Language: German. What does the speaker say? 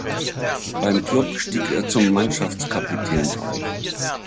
Beim Klub stieg er zum Mannschaftskapitän auf.